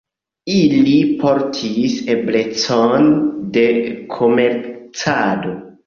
Ili portis eblecon de komercado.